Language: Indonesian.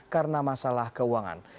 karena masalah keuangan